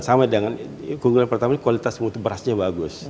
sama dengan keunggulan pertama ini kualitas mutu berasnya bagus